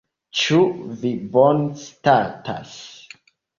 Ĉu vi bonstatas?